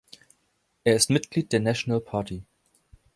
Er ist Mitglied der National Party.